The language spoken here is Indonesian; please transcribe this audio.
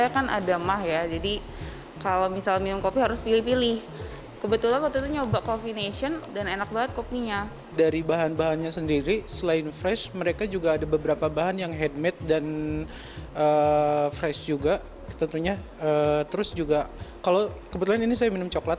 kebetulan ini saya minum coklat